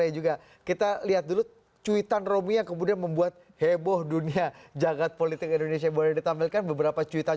jelang penutupan pendaftaran